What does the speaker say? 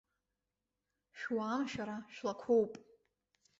Шәуаам уара шәара, шәлақәоуп!